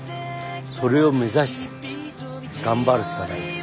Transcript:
それを目指して頑張るしかないです。